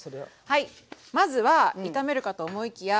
はいまずは炒めるかと思いきや。